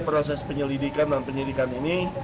proses penyelidikan dan penyidikan ini